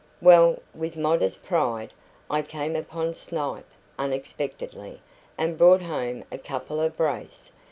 "Well," with modest pride, "I came upon snipe unexpectedly, and brought home a couple of brace.